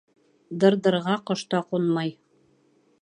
«Дыр», «дыр»ға ҡош та ҡунмай.